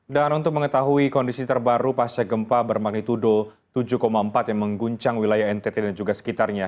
dan untuk mengetahui kondisi terbaru pasca gempa bermagnitudo tujuh empat yang mengguncang wilayah ntt dan juga sekitarnya